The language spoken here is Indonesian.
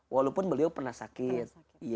walaupun beliau pernah sakit